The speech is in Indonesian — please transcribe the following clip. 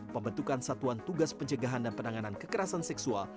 pembentukan satuan tugas pencegahan dan penanganan kekerasan seksual